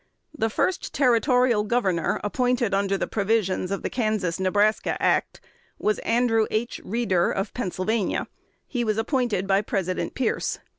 The first Territorial governor appointed under the provisions of the Kansas Nebraska Act was Andrew H. Reeder of Pennsylvania. He was appointed by President Pierce.